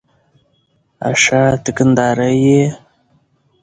آښه ته کندهاری يې؟